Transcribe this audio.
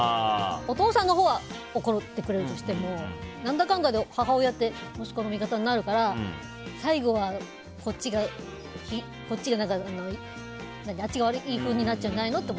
お父さんのほうは怒ってくれるとしても何だかんだで母親って息子の味方になるから最後はあっちがいいってふうになっちゃうんじゃないのって。